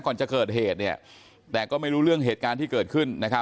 ก่อนจะเกิดเหตุแต่ก็ไม่รู้เรื่องเหตุการณ์ที่เกิดขึ้น